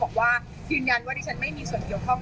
บอกว่ายืนยันว่าดิฉันไม่มีส่วนเกี่ยวข้อง